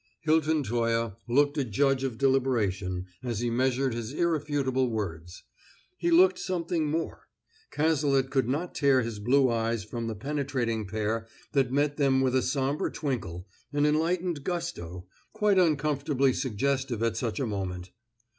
Hilton Toye looked a judge of deliberation as he measured his irrefutable words. He looked something more. Cazalet could not tear his blue eyes from the penetrating pair that met them with a somber twinkle, an enlightened gusto, quite uncomfortably suggestive at such a moment.